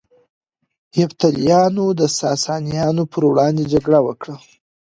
یفتلیانو د ساسانیانو پر وړاندې جګړه وکړه